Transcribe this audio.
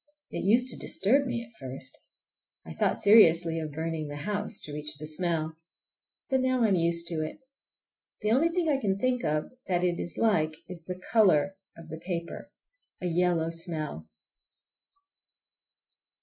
It used to disturb me at first. I thought seriously of burning the house—to reach the smell. But now I am used to it. The only thing I can think of that it is like is the color of the paper! A yellow smell.